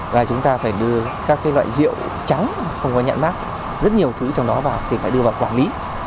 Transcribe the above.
và chúng ta phải đưa các loại rượu trắng không có nhãn mát rất nhiều thứ trong đó vào thì phải đưa vào quản lý